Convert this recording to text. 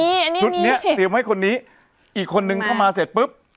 อันนี้ชุดเนี้ยเตรียมให้คนนี้อีกคนนึงเข้ามาเสร็จปุ๊บ